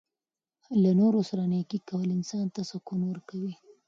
له نورو سره نیکي کول انسان ته سکون ورکوي.